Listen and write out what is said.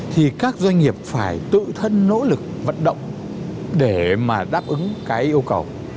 thì các doanh nghiệp phải tự thân nỗ lực vận động để mà đáp ứng cái yêu cầu